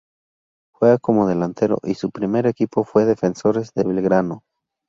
Juega como delantero y su primer equipo fue Defensores de Belgrano.